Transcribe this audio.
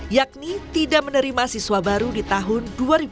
yakni tidak menerima siswa baru di tahun dua ribu dua puluh